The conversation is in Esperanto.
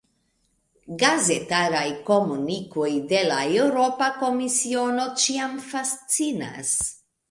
Gazetaraj komunikoj de la Eŭropa Komisiono ĉiam fascinas.